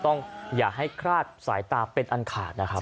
อย่าให้คลาดสายตาเป็นอันขาดนะครับ